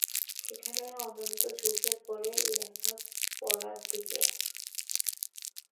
সেখানেই অনন্ত ঝুঁকে পরে লেখা পড়ার দিকে।